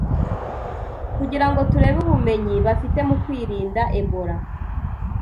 kugira ngo turebe ubumenyi bafite mu kwirinda Ebola